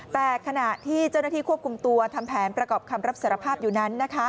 แต่ขณะที่เจ้าหน้าที่ควบคุมตัวทำแผนประกอบคำรับสารภาพอยู่นั้น